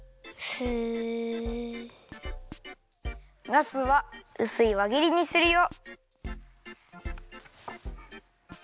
ナスはうすいわぎりにするよ。